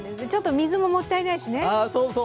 ちょっと水ももったいないしね。